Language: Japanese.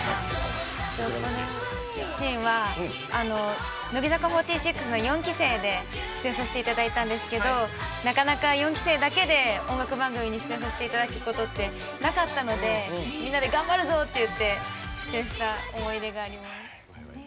このシーンは乃木坂４６の４期生で出演させていただいたんですけどなかなか、４期生だけで音楽番組に出演させていただくことってなかったのでみんなで頑張るぞっていって出演した思い出があります。